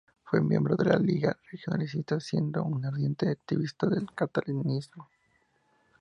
Fue miembro de la Lliga Regionalista, siendo un ardiente activista del catalanismo.